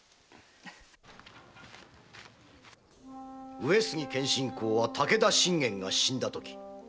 上杉謙信公は武田信玄が死んだとき